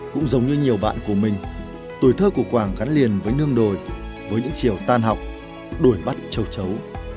cũng giống như nhiều bạn của mình tuổi thơ của quảng gắn liền với nương đồi với những chiều tan học đuổi bắt châu chấu